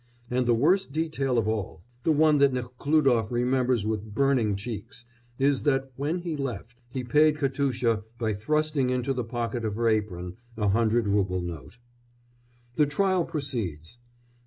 And the worst detail of all, the one that Nekhlúdof remembers with burning cheeks, is that, when he left, he paid Katusha by thrusting into the pocket of her apron a hundred rouble note. The trial proceeds.